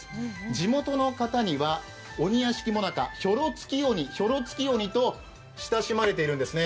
地元の方には、鬼屋敷最中、ひょろつき鬼として親しまれているんですね。